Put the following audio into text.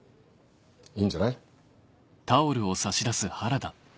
いいんじゃない？